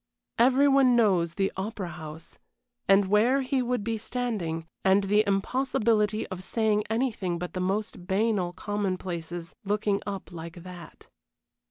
Every one knows the Opera House, and where he would be standing, and the impossibility of saying anything but the most banal commonplaces, looking up like that.